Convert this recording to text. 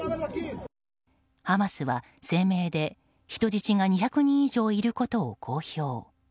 ハマスは声明で、人質が２００人以上いることを公表。